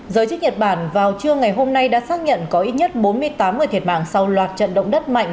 giới chức nhật bản vào trưa ngày hôm nay đã xác nhận có ít nhất bốn mươi tám người thiệt mạng sau loạt trận động đất mạnh